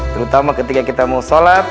terutama ketika kita mau sholat